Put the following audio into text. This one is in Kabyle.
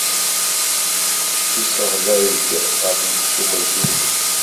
Isseɣlay-d ɣef yimcumen times.